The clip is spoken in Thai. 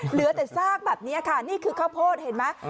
เหลือแต่ซากแบบนี้ค่ะนี่คือข้าวโพดเห็นไหม